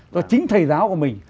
do chính thầy giáo của mình